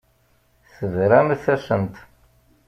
Tebramt-asent.